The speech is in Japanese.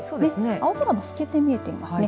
青空も透けて見えていますね。